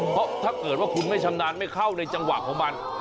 เพราะถ้าเกิดว่าคุณไม่ชำนาญไม่เข้าในจังหวะของมัน